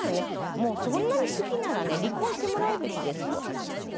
もうそんなに好きならね離婚してもらうべきですよ。ね？